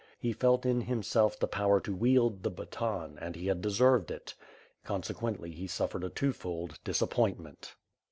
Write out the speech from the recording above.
He felt in himself the power to wield the baton and he had deserved it; consequently he suffered a two fold disappointment.